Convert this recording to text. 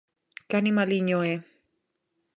Que animaliño é?